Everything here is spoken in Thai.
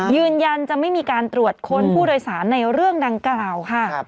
ยืนยันจะไม่มีการตรวจค้นผู้โดยสารในเรื่องดังกล่าวค่ะ